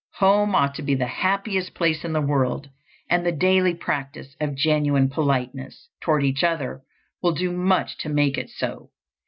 Home ought to be the happiest place in the world, and the daily practice of genuine politeness toward each other will do much to make it so.